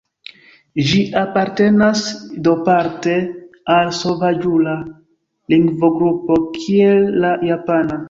Ĝi apartenas do parte al sovaĝula lingvogrupo kiel la japana.